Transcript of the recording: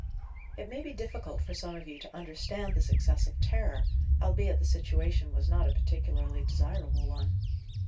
It may be difficult for some of you to understand this excessive terror, albeit the situation was not a particularly desirable one.